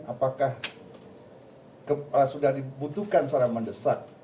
apakah sudah dibutuhkan secara mendesak